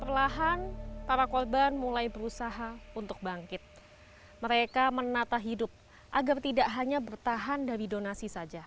perlahan para korban mulai berusaha untuk bangkit mereka menata hidup agar tidak hanya bertahan dari donasi saja